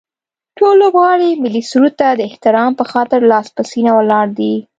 ټول لوبغاړي ملي سرود ته د احترام به خاطر لاس په سینه ولاړ دي